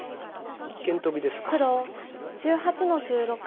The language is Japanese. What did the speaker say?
一間トビですか。